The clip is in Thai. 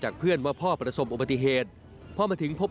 จากเพื่อนว่าพ่อปรสมอุบัติเหตุเพราะมาถึงพบ